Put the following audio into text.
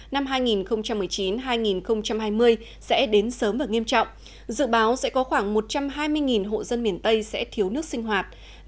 năm hai nghìn một mươi chín hai nghìn hai mươi sẽ đến sớm và nghiêm trọng dự báo sẽ có khoảng một trăm hai mươi hộ dân miền tây sẽ thiếu nước sinh hoạt